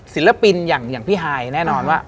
ศิลปินอย่างพี่ฮายแน่นอนว่า